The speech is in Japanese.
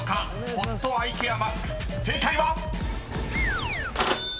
［ホットアイケアマスク正解は⁉］